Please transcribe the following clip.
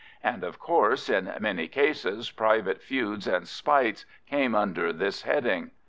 And, of course, in many cases private feuds and spites came under this heading.